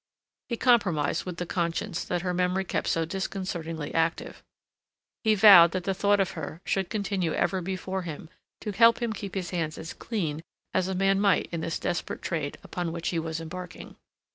He compromised with the conscience that her memory kept so disconcertingly active. He vowed that the thought of her should continue ever before him to help him keep his hands as clean as a man might in this desperate trade upon which he was embarking.